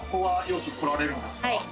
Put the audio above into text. はい。